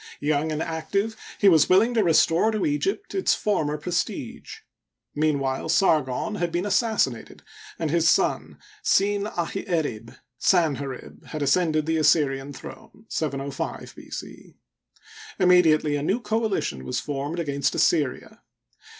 Young and active, he was willing to restore to Egypt its former prestige. Meanwhile Sargon had been assassinated, and his son, Siip ahi erib (Sanherib). had ascended the Assyrian throne (705 B. c). Immediately a new coalition was formed against Assyria.